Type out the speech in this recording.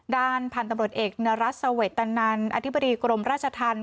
ด้านพันธุ์ตำรวจเอกนรัฐสเวตนันอธิบดีกรมราชธรรม